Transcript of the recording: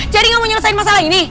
jadi gak mau nyelesain masalah ini